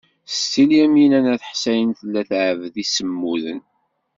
Setti Lyamina n At Ḥsayen tella tɛebbed imsemmuden.